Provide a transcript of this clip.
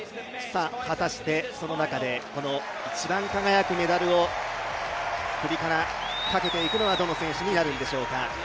果たしてその中で、一番輝くメダルを首からかけていくのはどの選手になるんでしょうか。